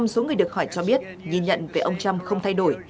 một mươi số người được hỏi cho biết nhìn nhận về ông trump không thay đổi